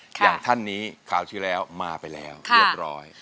อย่างท่านนี้คราวที่แล้วมาไปแล้วเรียบร้อย